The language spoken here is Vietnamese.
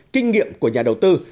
kinh nghiệm của nhà đầu tư